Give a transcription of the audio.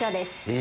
え